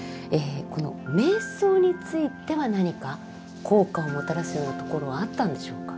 この瞑想については何か効果をもたらすようなところはあったんでしょうか？